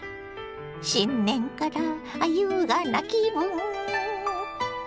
新年から優雅な気分。